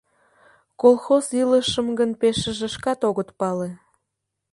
Колхоз илышым гын пешыже шкат огыт пале.